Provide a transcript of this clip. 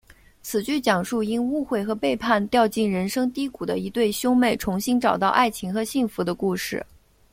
此剧讲述因误会和背叛掉进人生低谷的一对兄妹重新找到爱情和幸福的故事。